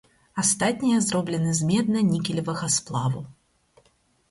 Астатнія зроблены з медна-нікелевага сплаву.